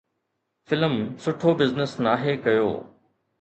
Film سٺو business ناهي ڪيو.